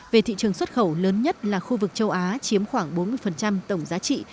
về thị trường xuất khẩu lớn nhất là khu vực châu á chiếm khoảng bốn mươi tổng giá trị